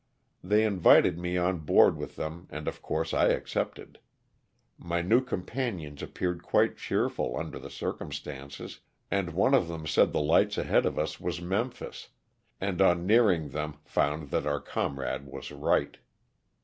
They invited me on board with them and of course I accepted. My new companions appeared quite clieerful, under the circumstances, and one of them said the lights ahead of us was >[cmphis, and on nearing them found that our comrade was right.